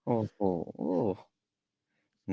โอ้โห